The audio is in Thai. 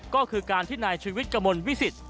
ก็คือการที่นายชีวิตกำลวิศิษฐ์